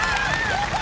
やった！